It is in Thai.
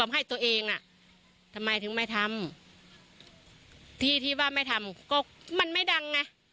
ให้ตัวเองอ่ะทำไมถึงไม่ทำที่ที่ว่าไม่ทำก็มันไม่ดังไง